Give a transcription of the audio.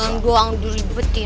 kayak gini doang diribetin